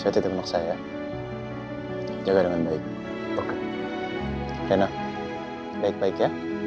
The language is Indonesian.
setidaknya saya jaga dengan baik baik ya